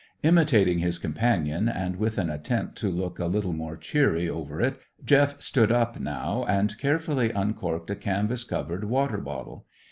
Imitating his companion, and with an attempt to look a little more cheery over it, Jeff stood up now and carefully uncorked a canvas covered water bottle.